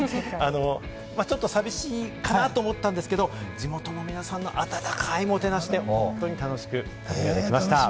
ちょっと寂しいかなと思ったんですけど、地元の皆さんの温かいもてなしで本当に楽しく旅ができました。